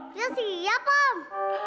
ya siap om